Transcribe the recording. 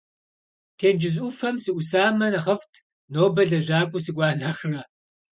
Тенджыз ӏуфэм сыӏусамэ нэхъыфӏт, нобэ лэжьакӏуэ сыкӏуа нэхърэ!